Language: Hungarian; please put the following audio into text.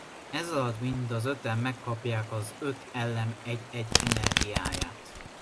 Ez alatt mind az öten megkapják az öt elem egy egy energiáját.